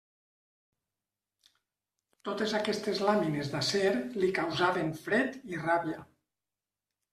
Totes aquestes làmines d'acer li causaven fred i ràbia.